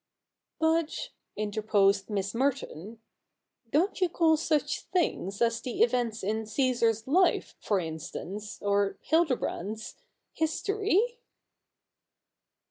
' But,' interposed Miss Merton, ' don't you call such things as the events in Caesar's life, for instance, or Hildebrand's, history